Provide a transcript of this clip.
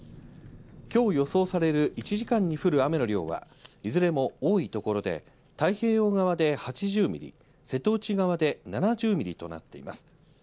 きょう予想される１時間に降る雨の量はいずれも多いところで太平洋側で８０ミリ、瀬戸内側で７０ミリとなっています。